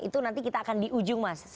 itu nanti kita akan di ujung mas